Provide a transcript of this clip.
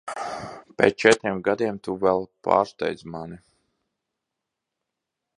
Pēc četriem gadiem tu vēl pārsteidz mani.